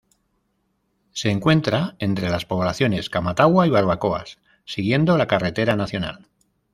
Se encuentra entre las poblaciones Camatagua y Barbacoas, siguiendo la carretera nacional.